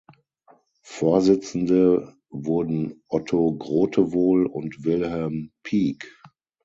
Vorsitzende wurden Otto Grotewohl und Wilhelm Pieck.